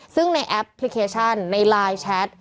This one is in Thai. ซึ่งในแอปพลิเคชันในไลน์แชท